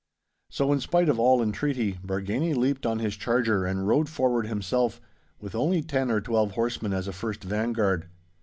So, in spite of all entreaty, Bargany leaped on his charger and rode forward himself, with only ten or twelve horsemen as a first vanguard.